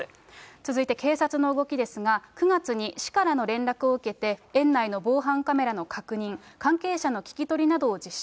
続いて警察の動きですが、９月に市からの連絡を受けて、園内の防犯カメラの確認、関係者の聞き取りなどを実施。